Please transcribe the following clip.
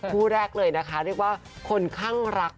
คู่แรกเลยนะคะเรียกว่าคนข้างรัก